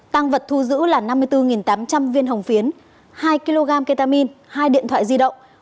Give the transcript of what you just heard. tăng vật thu giữ là năm mươi bốn tám trăm linh viên hồng phiến hai kg ketamin hai điện thoại di động